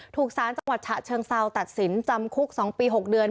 ถูกสารจังหวัดฉะเชิงเซาตัดสินจำคุก๒ปี๖เดือน